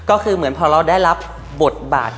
ก็คือเหมือนพอเราได้รับบทบาท